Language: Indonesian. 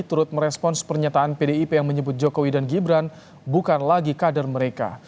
turut merespons pernyataan pdip yang menyebut jokowi dan gibran bukan lagi kader mereka